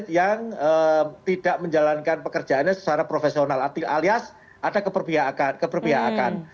jadi saya bisa mengatakan bahwa saya tidak menjalankan pekerjaannya secara profesional alias ada keberpihakan